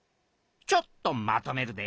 ちょっとまとめるで。